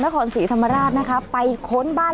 นครศรีธรรมราชนะคะไปค้นบ้าน